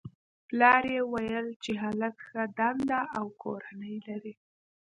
پلار یې ویل چې هلک ښه دنده او کورنۍ لري